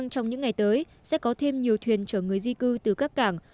trong những ngày tới sẽ có thêm nhiều thuyền chở người di cư từ các cảng